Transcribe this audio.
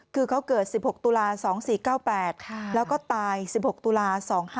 คือเขาเกิด๑๖ตุลา๒๔๙๘แล้วก็ตาย๑๖ตุลา๒๕๖